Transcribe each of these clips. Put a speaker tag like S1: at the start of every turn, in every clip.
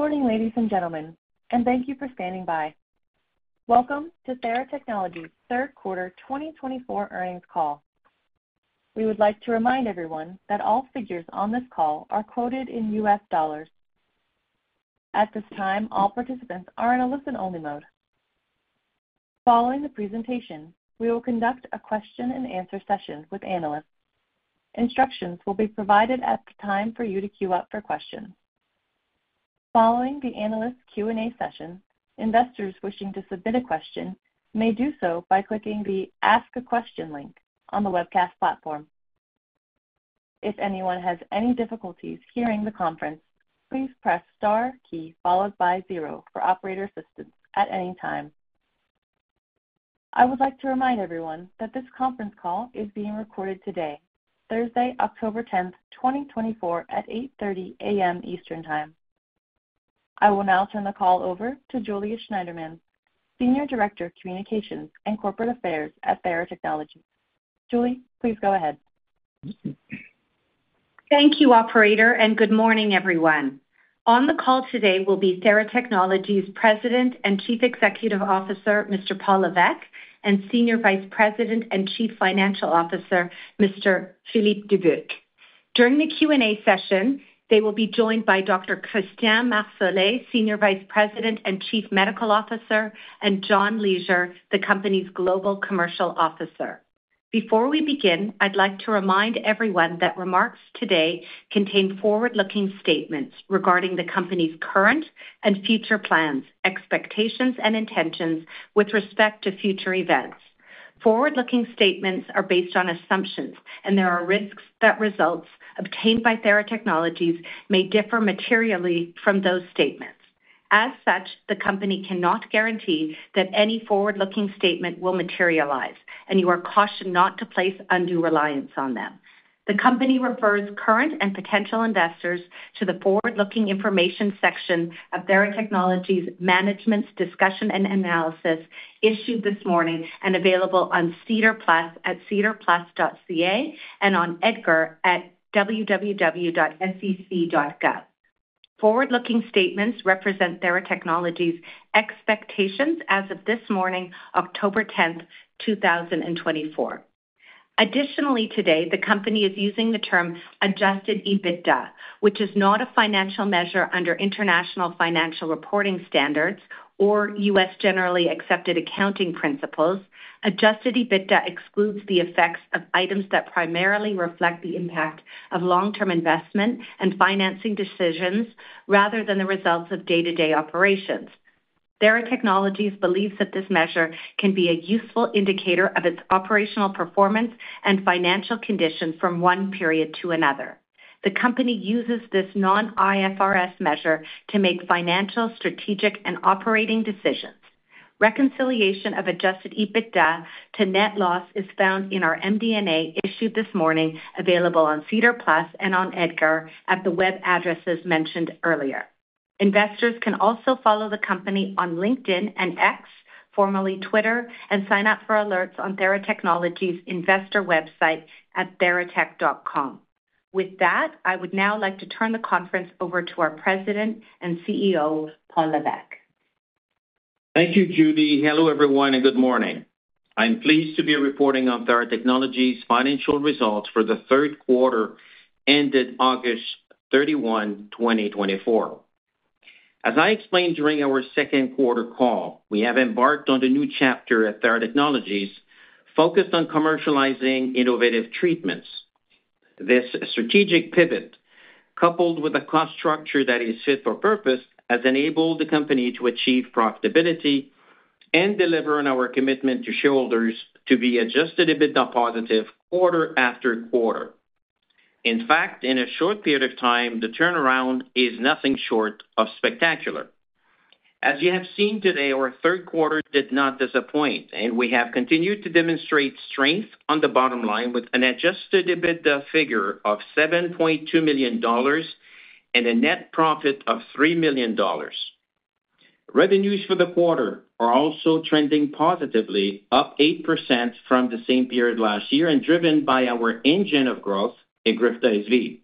S1: Good morning, ladies and gentlemen, and thank you for standing by. Welcome to Theratechnologies' third quarter 2024 earnings call. We would like to remind everyone that all figures on this call are quoted in U.S. dollars. At this time, all participants are in a listen-only mode. Following the presentation, we will conduct a question-and-answer session with analysts. Instructions will be provided at the time for you to queue up for questions. Following the analyst Q&A session, investors wishing to submit a question may do so by clicking the Ask a Question link on the webcast platform. If anyone has any difficulties hearing the conference, please press star key followed by zero for operator assistance at any time. I would like to remind everyone that this conference call is being recorded today, Thursday, October 10, 2024, at 8:30 A.M. Eastern Time. I will now turn the call over to Julie Schneiderman, Senior Director of Communications and Corporate Affairs at Theratechnologies. Julie, please go ahead.
S2: Thank you, operator, and good morning, everyone. On the call today will be Theratechnologies President and Chief Executive Officer, Mr. Paul Lévesque, and Senior Vice President and Chief Financial Officer, Mr. Philippe Dubuc. During the Q&A session, they will be joined by Dr. Christian Marsolais, Senior Vice President and Chief Medical Officer, and John Leasure, the company's Global Commercial Officer. Before we begin, I'd like to remind everyone that remarks today contain forward-looking statements regarding the company's current and future plans, expectations, and intentions with respect to future events. Forward-looking statements are based on assumptions, and there are risks that results obtained by Theratechnologies may differ materially from those statements. As such, the company cannot guarantee that any forward-looking statement will materialize, and you are cautioned not to place undue reliance on them. The company refers current and potential investors to the forward-looking information section of Theratechnologies Management's Discussion and Analysis issued this morning and available on SEDAR+ at sedarplus.ca and on EDGAR at www.sec.gov. Forward-looking statements represent Theratechnologies' expectations as of this morning, October 10, 2024. Additionally, today, the company is using the term Adjusted EBITDA, which is not a financial measure under International Financial Reporting Standards or U.S. Generally Accepted Accounting Principles. Adjusted EBITDA excludes the effects of items that primarily reflect the impact of long-term investment and financing decisions, rather than the results of day-to-day operations. Theratechnologies believes that this measure can be a useful indicator of its operational performance and financial condition from one period to another. The company uses this non-IFRS measure to make financial, strategic, and operating decisions. Reconciliation of Adjusted EBITDA to net loss is found in our MD&A, issued this morning, available on SEDAR+ and on EDGAR at the web addresses mentioned earlier. Investors can also follow the company on LinkedIn and X, formerly Twitter, and sign up for alerts on Theratechnologies' investor website at theratech.com. With that, I would now like to turn the conference over to our President and CEO, Paul Lévesque.
S3: Thank you, Julie. Hello, everyone, and good morning. I'm pleased to be reporting on Theratechnologies' financial results for the third quarter, ended August 31, 2024. As I explained during our second quarter call, we have embarked on the new chapter at Theratechnologies, focused on commercializing innovative treatments. This strategic pivot, coupled with a cost structure that is fit for purpose, has enabled the company to achieve profitability and deliver on our commitment to shareholders to be Adjusted EBITDA positive quarter after quarter. In fact, in a short period of time, the turnaround is nothing short of spectacular. As you have seen today, our third quarter did not disappoint, and we have continued to demonstrate strength on the bottom line with an Adjusted EBITDA figure of $7.2 million and a net profit of $3 million. Revenues for the quarter are also trending positively, up 8% from the same period last year and driven by our engine of growth, EGRIFTA SV.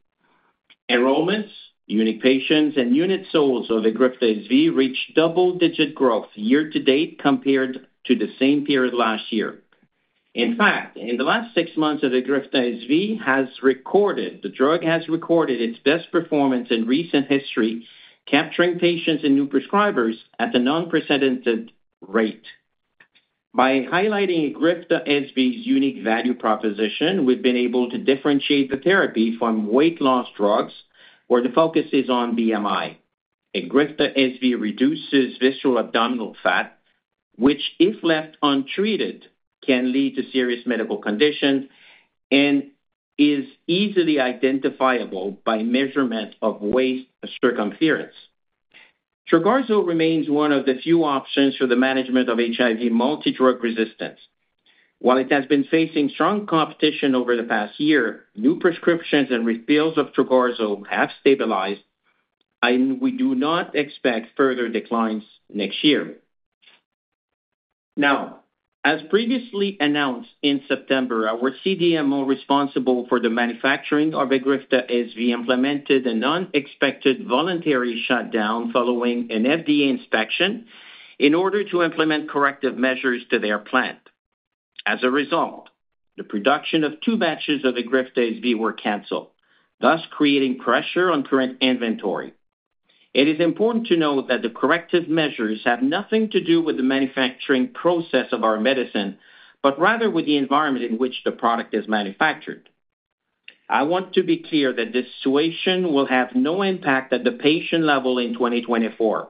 S3: Enrollments, unique patients, and units sold of EGRIFTA SV reached double-digit growth year to date compared to the same period last year. In fact, in the last six months, the drug has recorded its best performance in recent history, capturing patients and new prescribers at an unprecedented rate. By highlighting EGRIFTA SV's unique value proposition, we've been able to differentiate the therapy from weight loss drugs, where the focus is on BMI. EGRIFTA SV reduces visceral abdominal fat, which, if left untreated, can lead to serious medical conditions and is easily identifiable by measurement of waist circumference. Trogarzo remains one of the few options for the management of HIV multidrug resistance. While it has been facing strong competition over the past year, new prescriptions and refills of Trogarzo have stabilized, and we do not expect further declines next year. Now, as previously announced in September, our CDMO responsible for the manufacturing of EGRIFTA SV implemented an unexpected voluntary shutdown following an FDA inspection in order to implement corrective measures to their plant. As a result, the production of two batches of EGRIFTA SV were canceled, thus creating pressure on current inventory. It is important to note that the corrective measures have nothing to do with the manufacturing process of our medicine, but rather with the environment in which the product is manufactured. I want to be clear that this situation will have no impact at the patient level in 2024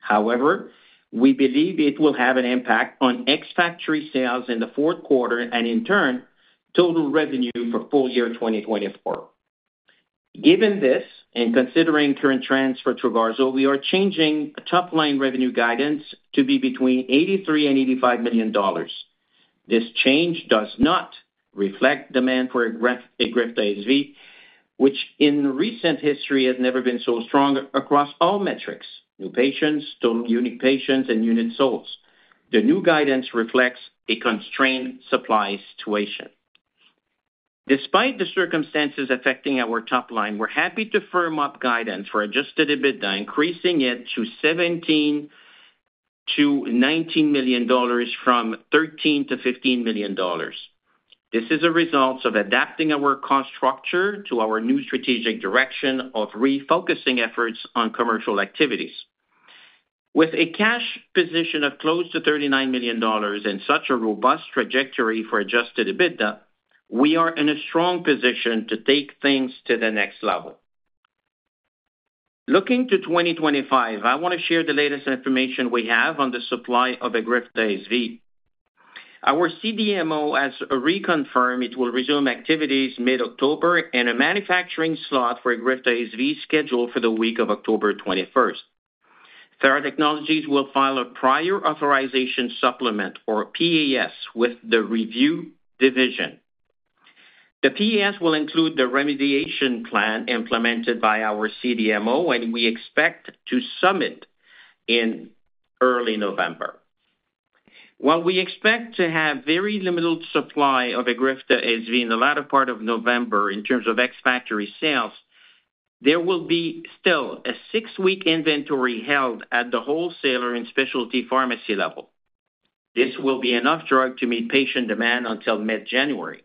S3: However, we believe it will have an impact on ex-factory sales in the fourth quarter and, in turn, total revenue for full year 2024. Given this, and considering current trends for Trogarzo, we are changing top-line revenue guidance to be between $83 million and $85 million. This change does not reflect demand for EGRIFTA SV, which in recent history has never been so strong across all metrics, new patients, total unique patients and unit sales. The new guidance reflects a constrained supply situation. Despite the circumstances affecting our top line, we're happy to firm up guidance for Adjusted EBITDA, increasing it to $17 million-$19 million from $13 million-$15 million. This is a result of adapting our cost structure to our new strategic direction of refocusing efforts on commercial activities. With a cash position of close to $39 million and such a robust trajectory for adjusted EBITDA, we are in a strong position to take things to the next level. Looking to 2025, I want to share the latest information we have on the supply of EGRIFTA SV. Our CDMO has reconfirmed it will resume activities mid-October, and a manufacturing slot for EGRIFTA SV scheduled for the week of October 21. Theratechnologies will file a prior approval supplement, or PAS, with the review division. The PAS will include the remediation plan implemented by our CDMO, and we expect to submit in early November. While we expect to have very limited supply of EGRIFTA SV in the latter part of November in terms of ex-factory sales, there will be still a six-week inventory held at the wholesaler and specialty pharmacy level. This will be enough drug to meet patient demand until mid-January.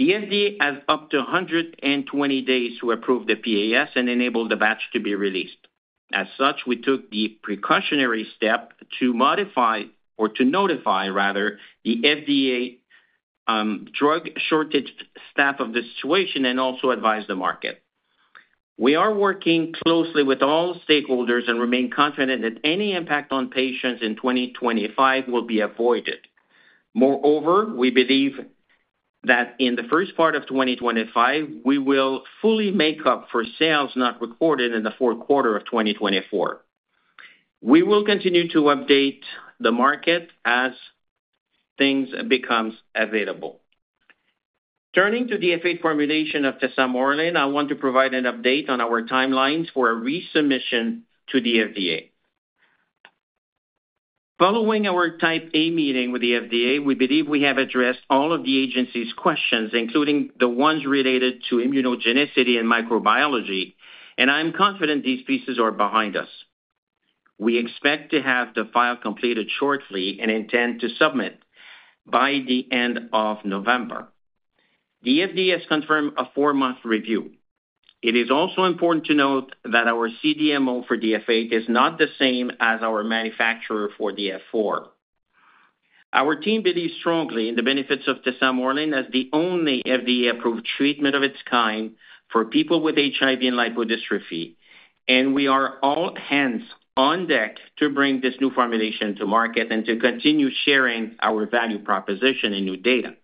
S3: The FDA has up to 120 days to approve the PAS and enable the batch to be released. As such, we took the precautionary step to modify, or to notify, rather, the FDA, Drug Shortage Staff of the situation and also advise the market. We are working closely with all stakeholders and remain confident that any impact on patients in 2025 will be avoided. Moreover, we believe that in the first part of 2025, we will fully make up for sales not recorded in the fourth quarter of 2024. We will continue to update the market as things becomes available. Turning to the DF8 formulation of tesamorelin, I want to provide an update on our timelines for a resubmission to the FDA. Following our Type A meeting with the FDA, we believe we have addressed all of the agency's questions, including the ones related to immunogenicity and microbiology, and I'm confident these pieces are behind us. We expect to have the file completed shortly and intend to submit by the end of November. The FDA has confirmed a four-month review. It is also important to note that our CDMO for DF8 is not the same as our manufacturer for DF4. Our team believes strongly in the benefits of tesamorelin as the only FDA-approved treatment of its kind for people with HIV and lipodystrophy, and we are all hands on deck to bring this new formulation to market and to continue sharing our value proposition and new data.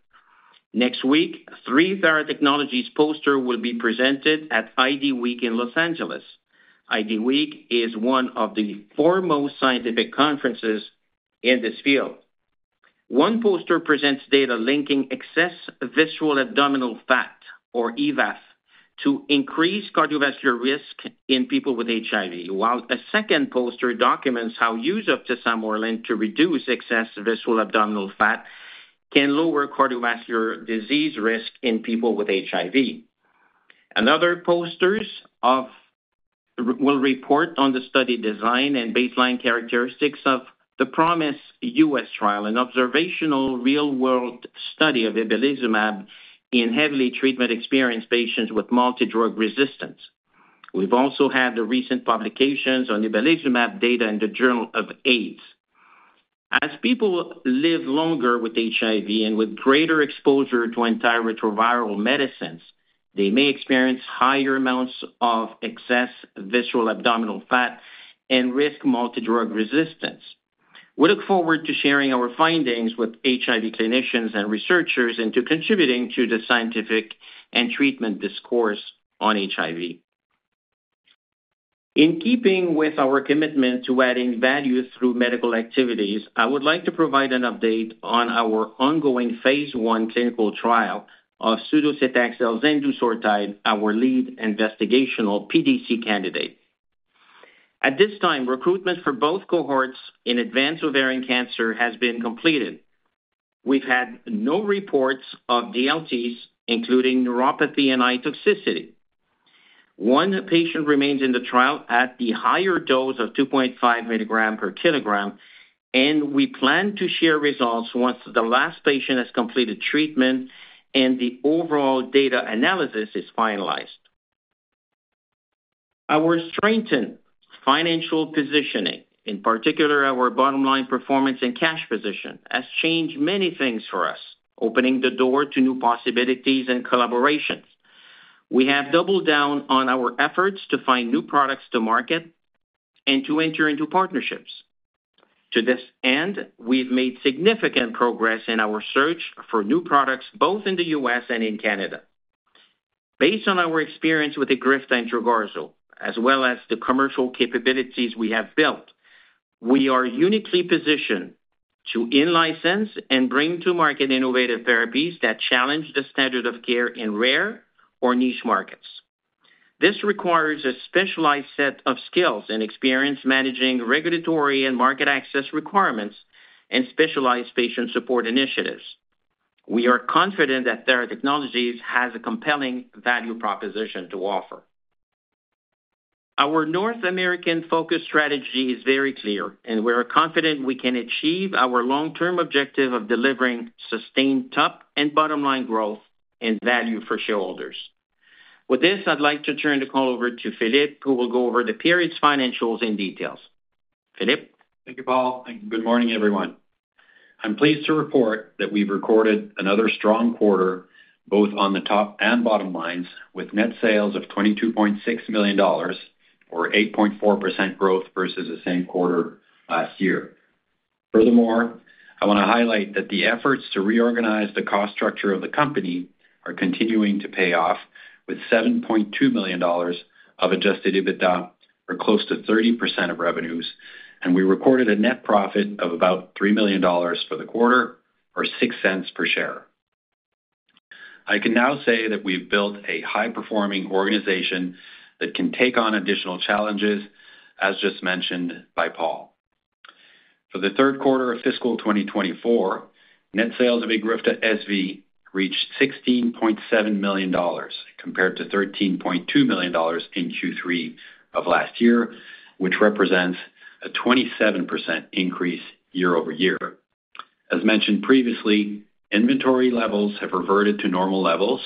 S3: Next week, three Theratechnologies posters will be presented at IDWeek in Los Angeles. IDWeek is one of the foremost scientific conferences in this field. One poster presents data linking excess visceral abdominal fat, or EVAF, to increased cardiovascular risk in people with HIV, while a second poster documents how use of tesamorelin to reduce excess visceral abdominal fat can lower cardiovascular disease risk in people with HIV. Another poster will report on the study design and baseline characteristics of the PROMISE-U.S. trial, an observational real-world study of ibalizumab in heavily treatment-experienced patients with multidrug resistance. We've also had the recent publications on ibalizumab data in the Journal of AIDS. As people live longer with HIV and with greater exposure to antiretroviral medicines, they may experience higher amounts of excess visceral abdominal fat and risk multidrug resistance. We look forward to sharing our findings with HIV clinicians and researchers and to contributing to the scientific and treatment discourse on HIV. In keeping with our commitment to adding value through medical activities, I would like to provide an update on our ongoing phase I clinical trial of sudocetaxel zendusortide, our lead investigational PDC candidate. At this time, recruitment for both cohorts in advanced ovarian cancer has been completed. We've had no reports of DLTs, including neuropathy and eye toxicity. One patient remains in the trial at the higher dose of 2.5 mg/kg, and we plan to share results once the last patient has completed treatment and the overall data analysis is finalized. Our strengthened financial positioning, in particular, our bottom-line performance and cash position, has changed many things for us, opening the door to new possibilities and collaborations. We have doubled down on our efforts to find new products to market and to enter into partnerships. To this end, we've made significant progress in our search for new products, both in the U.S. and in Canada. Based on our experience with EGRIFTA and Trogarzo, as well as the commercial capabilities we have built, we are uniquely positioned to in-license and bring to market innovative therapies that challenge the standard of care in rare or niche markets. This requires a specialized set of skills and experience managing regulatory and market access requirements and specialized patient support initiatives. We are confident that Theratechnologies has a compelling value proposition to offer. Our North American-focused strategy is very clear, and we are confident we can achieve our long-term objective of delivering sustained top and bottom-line growth and value for shareholders. With this, I'd like to turn the call over to Philippe, who will go over the period's financials in details. Philippe?
S4: Thank you, Paul, and good morning, everyone. I'm pleased to report that we've recorded another strong quarter, both on the top and bottom lines, with net sales of $22.6 million, or 8.4% growth versus the same quarter last year. Furthermore, I want to highlight that the efforts to reorganize the cost structure of the company are continuing to pay off, with $7.2 million of Adjusted EBITDA, or close to 30% of revenues, and we recorded a net profit of about $3 million for the quarter, or $0.06 per share. I can now say that we've built a high-performing organization that can take on additional challenges, as just mentioned by Paul. For the third quarter of fiscal 2024, net sales of EGRIFTA SV reached $16.7 million, compared to $13.2 million in Q3 of last year, which represents a 27% increase year over year. As mentioned previously, inventory levels have reverted to normal levels,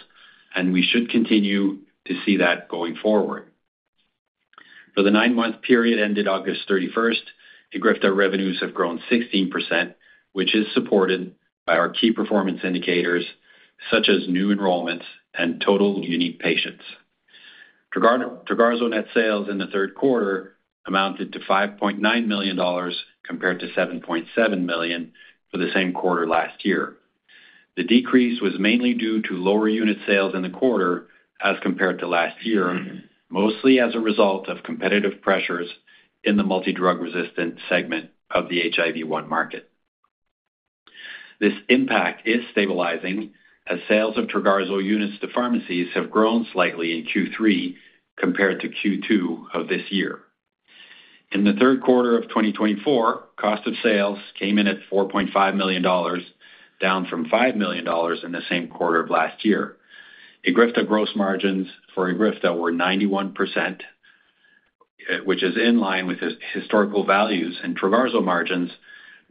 S4: and we should continue to see that going forward. For the nine-month period ended August 31, EGRIFTA revenues have grown 16%, which is supported by our key performance indicators, such as new enrollments and total unique patients. Regarding Trogarzo net sales in the third quarter amounted to $5.9 million, compared to $7.7 million for the same quarter last year. The decrease was mainly due to lower unit sales in the quarter as compared to last year, mostly as a result of competitive pressures in the multidrug-resistant segment of the HIV-1 market. This impact is stabilizing, as sales of Trogarzo units to pharmacies have grown slightly in Q3 compared to Q2 of this year. In the third quarter of 2024, cost of sales came in at $4.5 million, down from $5 million in the same quarter of last year. EGRIFTA gross margins for EGRIFTA were 91%, which is in line with historical values, and Trogarzo margins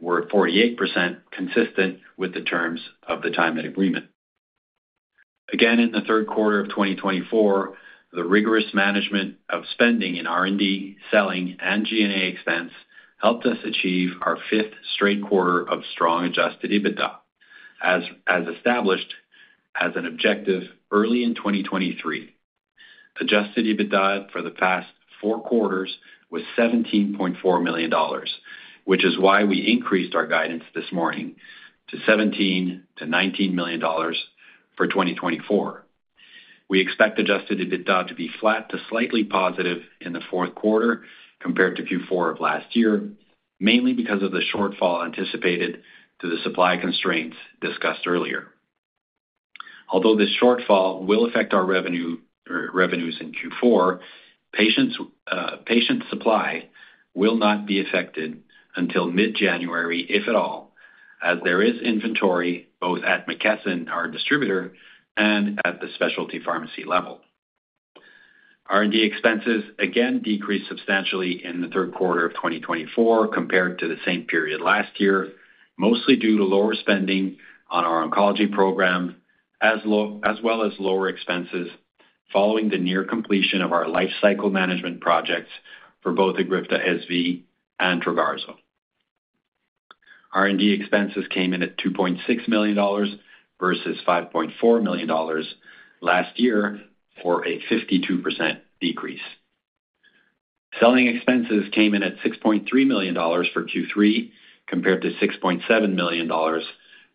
S4: were at 48%, consistent with the terms of the time and agreement. Again, in the third quarter of 2024, the rigorous management of spending in R&D, selling, and G&A expense helped us achieve our fifth straight quarter of strong adjusted EBITDA, as established as an objective early in 2023. Adjusted EBITDA for the past four quarters was $17.4 million, which is why we increased our guidance this morning to $17 million-$19 million for 2024. We expect adjusted EBITDA to be flat to slightly positive in the fourth quarter compared to Q4 of last year, mainly because of the shortfall anticipated to the supply constraints discussed earlier. Although this shortfall will affect our revenue, or revenues in Q4, patients, patient supply will not be affected until mid-January, if at all, as there is inventory both at McKesson, our distributor, and at the specialty pharmacy level. R&D expenses again decreased substantially in the third quarter of 2024 compared to the same period last year, mostly due to lower spending on our oncology program, as well as lower expenses following the near completion of our lifecycle management projects for both EGRIFTA SV and Trogarzo. R&D expenses came in at $2.6 million versus $5.4 million last year, for a 52% decrease. Selling expenses came in at $6.3 million for Q3, compared to $6.7 million for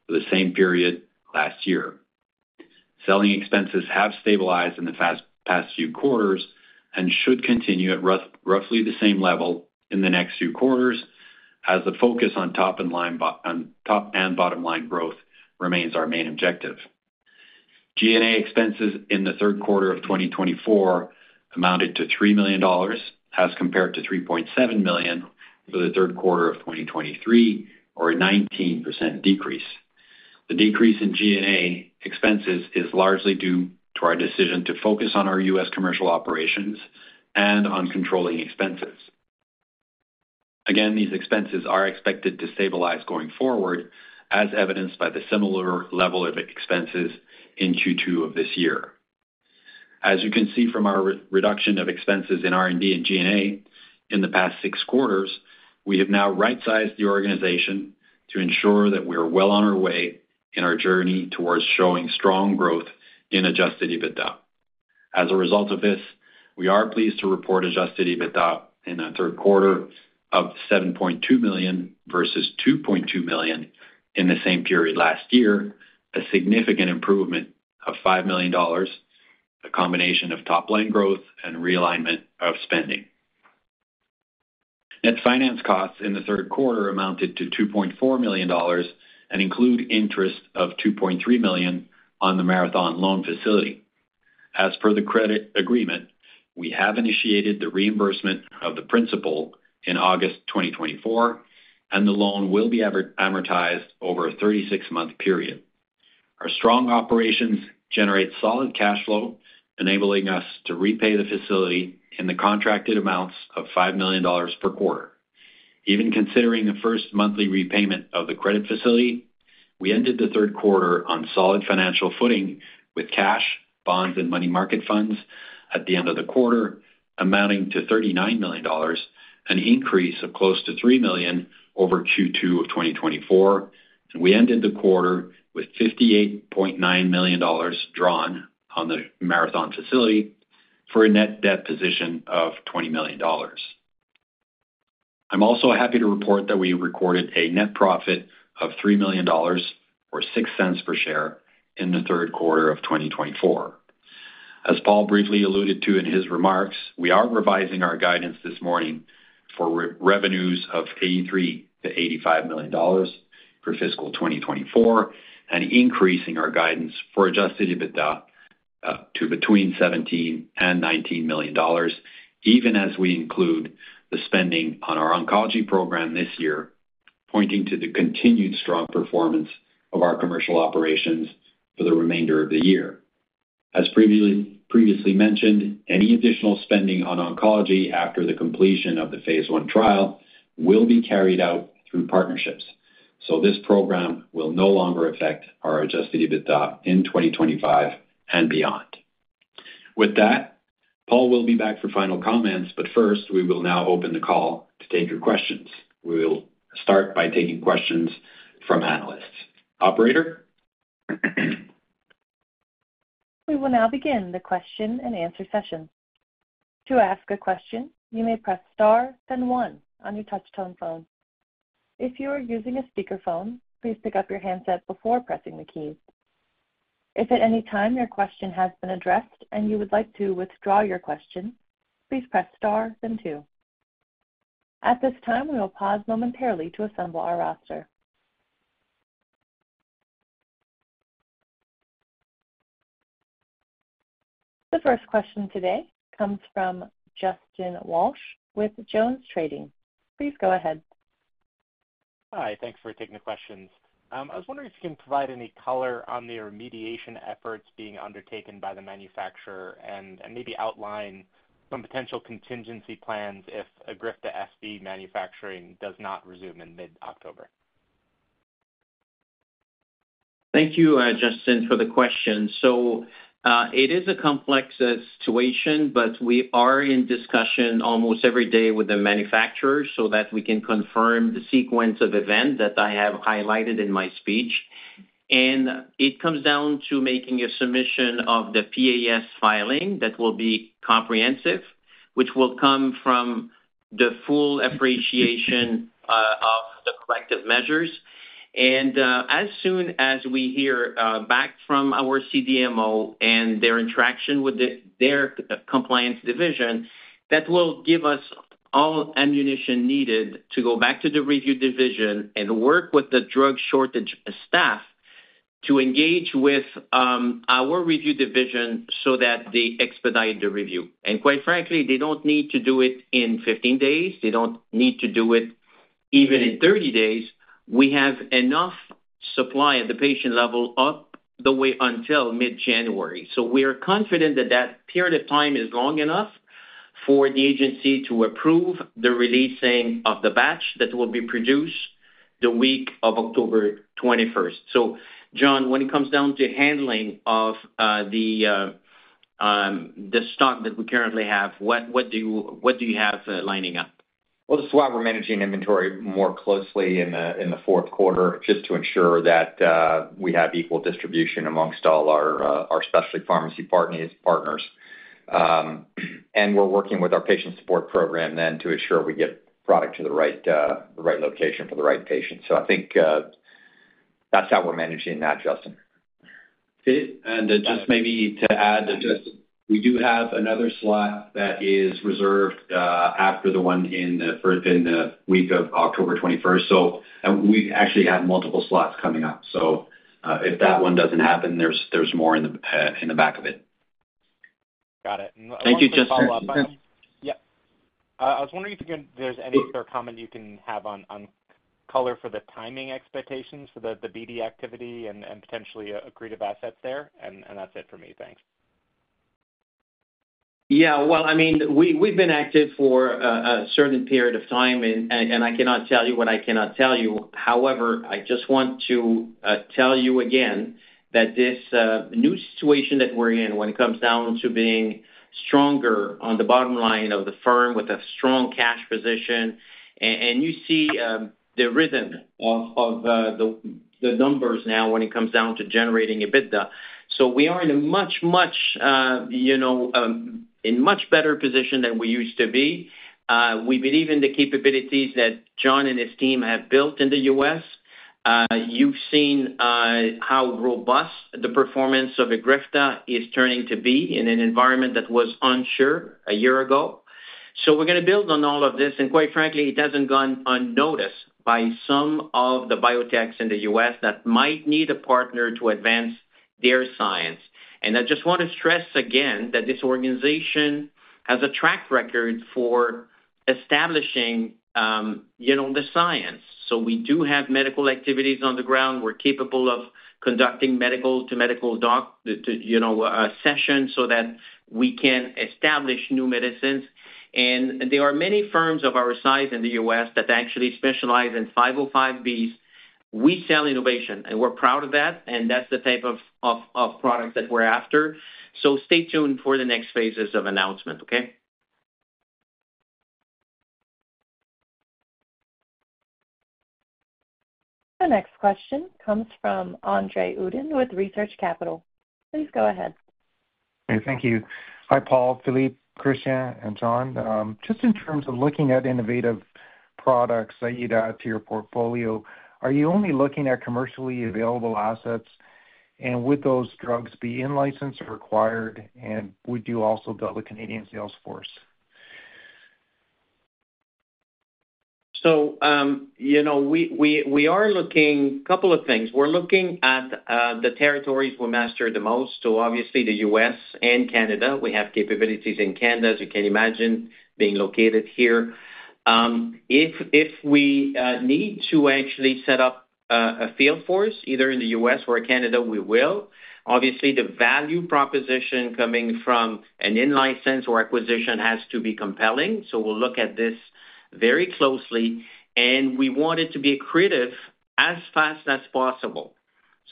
S4: the same period last year. Selling expenses have stabilized in the past few quarters and should continue at roughly the same level in the next few quarters, as the focus on top and bottom line growth remains our main objective. SG&A expenses in the third quarter of 2024 amounted to $3 million, as compared to $3.7 million for the third quarter of 2023, or a 19% decrease. The decrease in SG&A expenses is largely due to our decision to focus on our U.S. commercial operations and on controlling expenses. Again, these expenses are expected to stabilize going forward, as evidenced by the similar level of expenses in Q2 of this year. As you can see from our reduction of expenses in R&D and SG&A in the past six quarters, we have now right-sized the organization to ensure that we are well on our way in our journey towards showing strong growth in Adjusted EBITDA. As a result of this, we are pleased to report adjusted EBITDA in the third quarter of $7.2 million, versus $2.2 million in the same period last year, a significant improvement of $5 million, a combination of top-line growth and realignment of spending. Net finance costs in the third quarter amounted to $2.4 million and include interest of $2.3 million on the Marathon loan facility. As per the credit agreement, we have initiated the reimbursement of the principal in August 2024, and the loan will be amortized over a 36-month period. Our strong operations generate solid cash flow, enabling us to repay the facility in the contracted amounts of $5 million per quarter. Even considering the first monthly repayment of the credit facility, we ended the third quarter on solid financial footing with cash, bonds, and money market funds at the end of the quarter, amounting to $39 million, an increase of close to $3 million over Q2 of 2024. And we ended the quarter with $58.9 million drawn on the Marathon facility for a net debt position of $20 million. I'm also happy to report that we recorded a net profit of $3 million, or $0.06 per share, in the third quarter of 2024. As Paul briefly alluded to in his remarks, we are revising our guidance this morning for revenues of $83 million-$85 million for fiscal 2024, and increasing our guidance for adjusted EBITDA to between $17 million-$19 million, even as we include the spending on our oncology program this year, pointing to the continued strong performance of our commercial operations for the remainder of the year. As previously mentioned, any additional spending on oncology after the completion of the phase 1 trial will be carried out through partnerships, so this program will no longer affect our adjusted EBITDA in 2025 and beyond. With that, Paul will be back for final comments, but first, we will now open the call to take your questions. We will start by taking questions from analysts. Operator?
S1: We will now begin the question-and-answer session. To ask a question, you may press star, then one on your touch-tone phone. If you are using a speakerphone, please pick up your handset before pressing the key. If at any time your question has been addressed and you would like to withdraw your question, please press star then two. At this time, we will pause momentarily to assemble our roster. The first question today comes from Justin Walsh with JonesTrading. Please go ahead.
S5: Hi, thanks for taking the questions. I was wondering if you can provide any color on the remediation efforts being undertaken by the manufacturer and maybe outline some potential contingency plans if EGRIFTA SV manufacturing does not resume in mid-October.
S3: Thank you, Justin, for the question. So, it is a complex situation, but we are in discussion almost every day with the manufacturer so that we can confirm the sequence of event that I have highlighted in my speech. And it comes down to making a submission of the PAS filing that will be comprehensive, which will come from the full appreciation of the collective measures. And, as soon as we hear back from our CDMO and their interaction with their compliance division, that will give us all ammunition needed to go back to the review division and work with the Drug Shortage Staff to engage with our review division so that they expedite the review. And quite frankly, they don't need to do it in 15 days. They don't need to do it even in 30 days. We have enough supply at the patient level up the way until mid-January. So we are confident that that period of time is long enough for the agency to approve the releasing of the batch that will be produced the week of October 21. So John, when it comes down to handling of the stock that we currently have, what do you have lining up?
S6: This is why we're managing inventory more closely in the fourth quarter, just to ensure that we have equal distribution among all our specialty pharmacy partners. We're working with our patient support program then to ensure we get product to the right location for the right patient. I think that's how we're managing that, Justin.
S4: Okay. And, just maybe to add, Justin we do have another slot that is reserved, after the one in the first, in the week of October 21. So, and we actually have multiple slots coming up. So, if that one doesn't happen, there's more in the back of it.
S7: Got it.
S3: Thank you, Justin.
S7: Yeah. I was wondering if you can, there's any sort of comment you can have on color for the timing expectations for the BD activity and potentially a creative assets there, and that's it for me. Thanks.
S3: Yeah, well, I mean, we've been active for a certain period of time, and I cannot tell you what I cannot tell you. However, I just want to tell you again that this new situation that we're in when it comes down to being stronger on the bottom line of the firm with a strong cash position, and you see the rhythm of the numbers now when it comes down to generating EBITDA. So we are in a much better position than we used to be. We believe in the capabilities that John and his team have built in the U.S. You've seen how robust the performance of EGRIFTA is turning to be in an environment that was unsure a year ago. So we're going to build on all of this, and quite frankly, it hasn't gone unnoticed by some of the biotechs in the U.S. that might need a partner to advance their science. And I just want to stress again that this organization has a track record for establishing, you know, the science. So we do have medical activities on the ground. We're capable of conducting medical-to-medical, doctor-to-doctor, you know, sessions so that we can establish new medicines. And there are many firms of our size in the U.S. that actually specialize in 505(b)(2)s. We sell innovation, and we're proud of that, and that's the type of product that we're after. So stay tuned for the next phases of announcement, okay?
S1: The next question comes from André Uddin with Research Capital. Please go ahead.
S5: Okay, thank you. Hi, Paul, Philippe, Christian, and John. Just in terms of looking at innovative products that you'd add to your portfolio, are you only looking at commercially available assets? And would those drugs be in-license or acquired, and would you also build a Canadian sales force?
S3: So, you know, we are looking. Couple of things. We're looking at the territories that matter the most, so obviously, the U.S. and Canada. We have capabilities in Canada, as you can imagine, being located here. If we need to actually set up a field force, either in the U.S. or Canada, we will. Obviously, the value proposition coming from an in-license or acquisition has to be compelling, so we'll look at this very closely, and we want it to be accretive as fast as possible.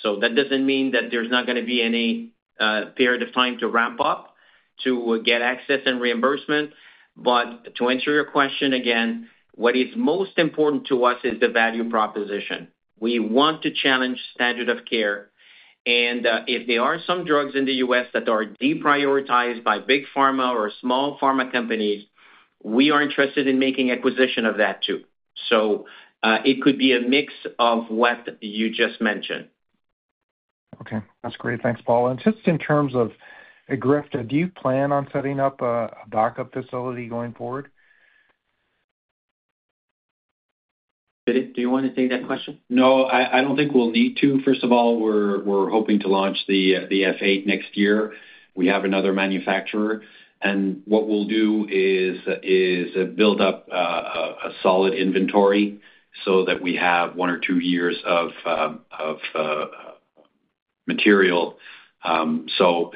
S3: So that doesn't mean that there's not going to be any period of time to ramp up, to get access and reimbursement. But to answer your question again, what is most important to us is the value proposition. We want to challenge standard of care, and, if there are some drugs in the U.S. that are deprioritized by big pharma or small pharma companies, we are interested in making acquisition of that too. So, it could be a mix of what you just mentioned.
S5: Okay. That's great. Thanks, Paul. And just in terms of EGRIFTA, do you plan on setting up a backup facility going forward?
S3: Philippe, do you want to take that question?
S4: No, I don't think we'll need to. First of all, we're hoping to launch the F8 next year. We have another manufacturer, and what we'll do is build up a solid inventory so that we have one or two years of material. So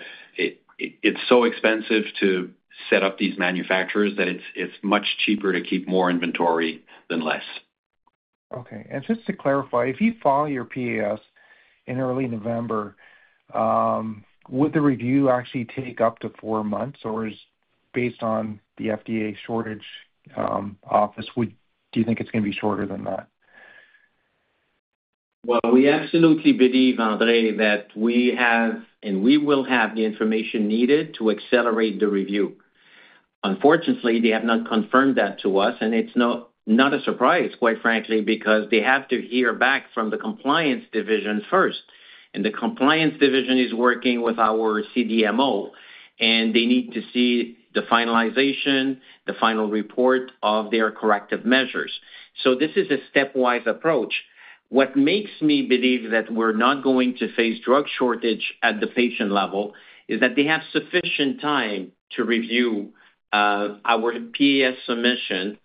S4: it's so expensive to set up these manufacturers that it's much cheaper to keep more inventory than less.
S8: Okay. And just to clarify, if you file your PAS in early November, would the review actually take up to four months, or is it based on the FDA shortage office? Do you think it's going to be shorter than that?
S3: We absolutely believe, André, that we have, and we will have the information needed to accelerate the review. Unfortunately, they have not confirmed that to us, and it's not a surprise, quite frankly, because they have to hear back from the compliance division first, and the compliance division is working with our CDMO, and they need to see the finalization, the final report of their corrective measures. So this is a stepwise approach. What makes me believe that we're not going to face drug shortage at the patient level is that they have sufficient time to review our PAS submission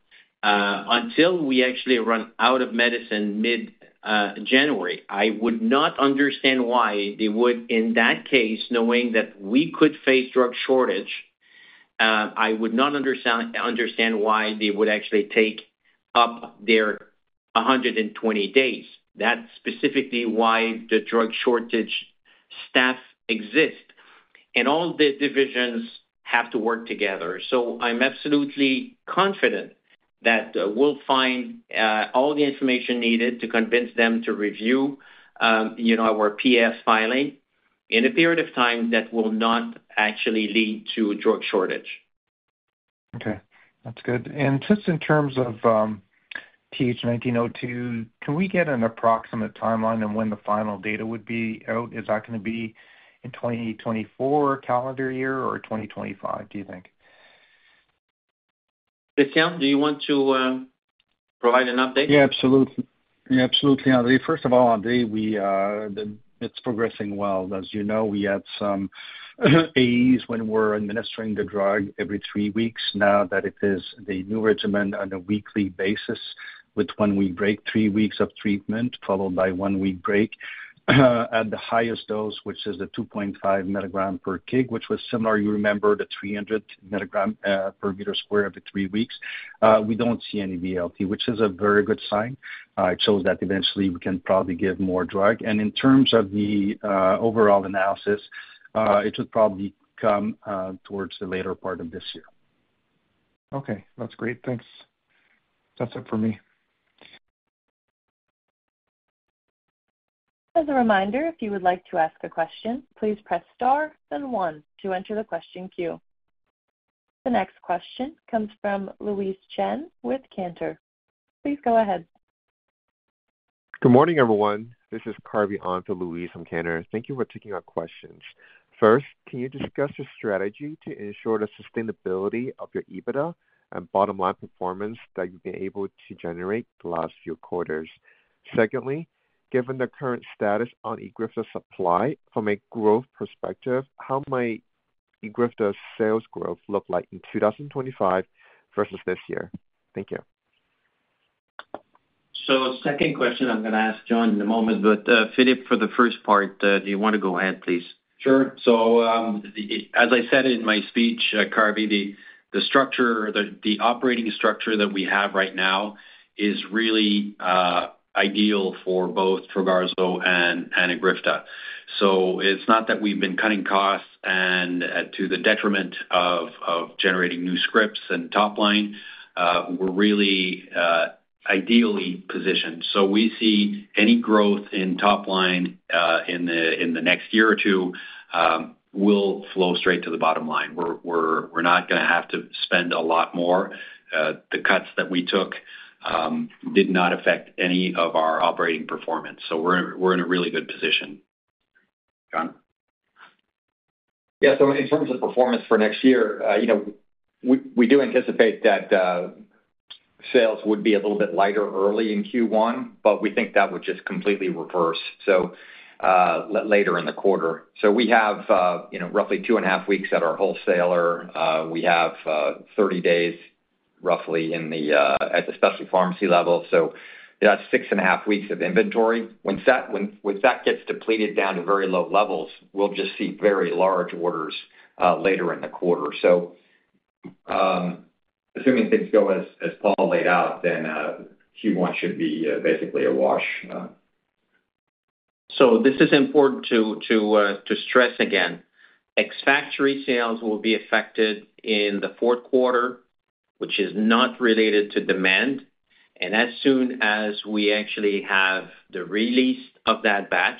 S3: until we actually run out of medicine mid January. I would not understand why they would, in that case, knowing that we could face drug shortage. I would not understand why they would actually take up their 120 days. That's specifically why the Drug Shortage Staff exist, and all the divisions have to work together. So I'm absolutely confident that we'll find all the information needed to convince them to review, you know, our PAS filing in a period of time that will not actually lead to drug shortage.
S8: Okay, that's good. And just in terms of TH1902, can we get an approximate timeline on when the final data would be out? Is that gonna be in 2024 calendar year or 2025, do you think?
S3: Christian, do you want to provide an update?
S9: Yeah, absolutely. Yeah, absolutely, André. First of all, André, we are. It's progressing well. As you know, we had some phase when we're administering the drug every three weeks. Now that it is the new regimen on a weekly basis, with one week break, three weeks of treatment, followed by one week break, at the highest dose, which is the two point five milligram per kg, which was similar, you remember, the three hundred milligram per meter square every three weeks. We don't see any DLT, which is a very good sign. It shows that eventually we can probably give more drug. And in terms of the overall analysis, it should probably come towards the later part of this year.
S8: Okay, that's great. Thanks. That's it for me.
S1: As a reminder, if you would like to ask a question, please press Star, then one to enter the question queue. The next question comes from Louise Chen with Cantor. Please go ahead.
S5: Good morning, everyone. This is Carvey Ahn for Louise from Cantor. Thank you for taking our questions. First, can you discuss your strategy to ensure the sustainability of your EBITDA and bottom line performance that you've been able to generate the last few quarters? Secondly, given the current status on EGRIFTA supply from a growth perspective, how might EGRIFTA's sales growth look like in 2025 versus this year? Thank you.
S3: So second question, I'm gonna ask John in a moment, but, Philippe, for the first part, do you want to go ahead, please?
S4: Sure. So, as I said in my speech, Carvy, the structure, the operating structure that we have right now is really ideal for both Trogarzo and EGRIFTA. So it's not that we've been cutting costs and to the detriment of generating new scripts and top line, we're really ideally positioned. So we see any growth in top line in the next year or two will flow straight to the bottom line. We're not gonna have to spend a lot more. The cuts that we took did not affect any of our operating performance, so we're in a really good position. John?
S6: Yeah, so in terms of performance for next year, you know, we do anticipate that sales would be a little bit lighter early in Q1, but we think that would just completely reverse, so later in the quarter. So we have, you know, roughly 2 and a half weeks at our wholesaler. We have 30 days, roughly, at the specialty pharmacy level, so that's 6.5 weeks of inventory. When that gets depleted down to very low levels, we'll just see very large orders later in the quarter. So, assuming things go as Paul laid out, then Q1 should be basically a wash.
S3: This is important to stress again. Ex-factory sales will be affected in the fourth quarter, which is not related to demand, and as soon as we actually have the release of that batch,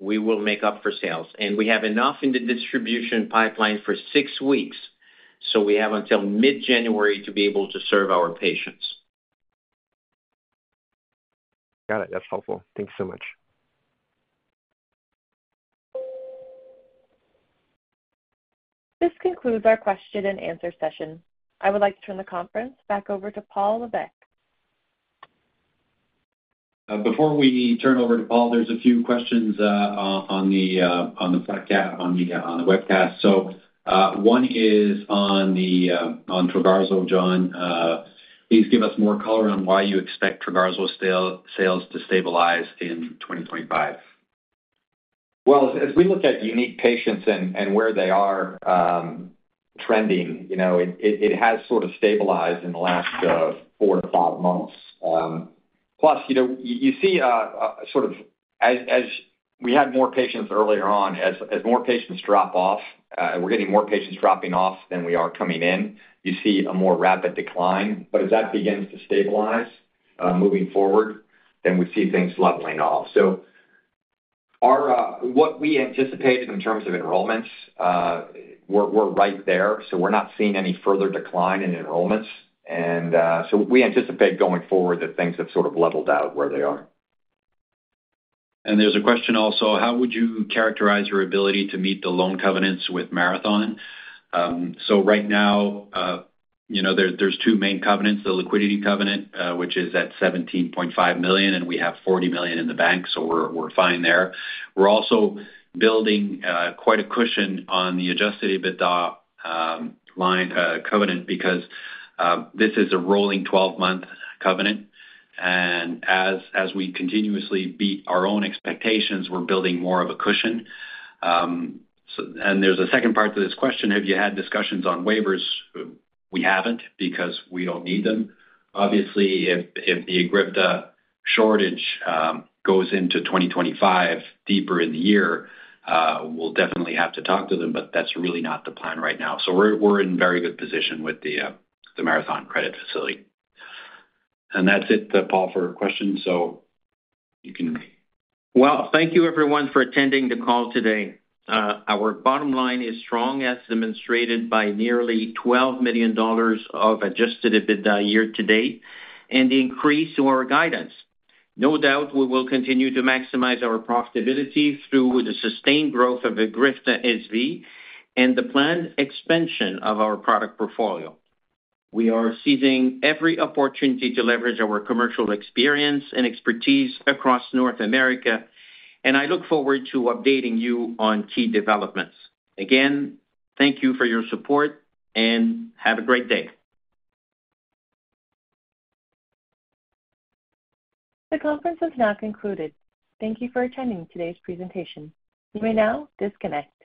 S3: we will make up for sales. We have enough in the distribution pipeline for six weeks, so we have until mid-January to be able to serve our patients.
S5: Got it. That's helpful. Thank you so much.
S1: This concludes our question and answer session. I would like to turn the conference back over to Paul Lévesque.
S4: Before we turn over to Paul, there's a few questions on the podcast, on the webcast, so one is on Trogarzo, John. Please give us more color on why you expect Trogarzo sales to stabilize in 2025.
S6: As we look at unique patients and where they are trending, you know, it has sort of stabilized in the last four-to-five months. Plus, you know, you see sort of as we had more patients earlier on, as more patients drop off, we're getting more patients dropping off than we are coming in, you see a more rapid decline. But as that begins to stabilize moving forward, then we see things leveling off. So our what we anticipated in terms of enrollments, we're right there, so we're not seeing any further decline in enrollments. And so we anticipate going forward that things have sort of leveled out where they are.
S4: And there's a question also, how would you characterize your ability to meet the loan covenants with Marathon? So right now, you know, there's two main covenants, the liquidity covenant, which is at $17.5 million, and we have $40 million in the bank, so we're fine there. We're also building quite a cushion on the Adjusted EBITDA line covenant, because this is a rolling 12-month covenant. And as we continuously beat our own expectations, we're building more of a cushion. So... And there's a second part to this question: Have you had discussions on waivers? We haven't, because we don't need them. Obviously, if the EGRIFTA shortage goes into 2025, deeper in the year, we'll definitely have to talk to them, but that's really not the plan right now. So we're in very good position with the Marathon credit facility. And that's it, Paul, for questions, so you can-
S3: Thank you everyone for attending the call today. Our bottom line is strong, as demonstrated by nearly $12 million of Adjusted EBITDA year to date and the increase to our guidance. No doubt we will continue to maximize our profitability through the sustained growth of EGRIFTA SV and the planned expansion of our product portfolio. We are seizing every opportunity to leverage our commercial experience and expertise across North America, and I look forward to updating you on key developments. Again, thank you for your support, and have a great day.
S1: The conference has now concluded. Thank you for attending today's presentation. You may now disconnect.